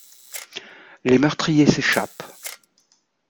Les meurtriers s'échappent.